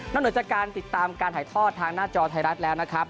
เหนือจากการติดตามการถ่ายทอดทางหน้าจอไทยรัฐแล้วนะครับ